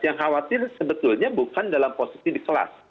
yang khawatir sebetulnya bukan dalam posisi di kelas